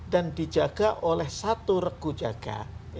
dan dijaga oleh satu regu jaga